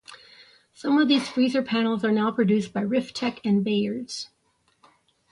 Some of these freezer panels are now produced by Riftec and Bayards.